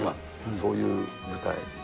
そういう舞台。